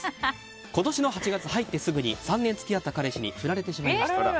今年の８月に入ってすぐに３年付き合った彼氏に振られてしまいました。